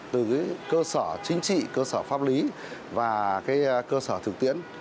từ cơ sở chính trị cơ sở pháp lý và cơ sở thực tiễn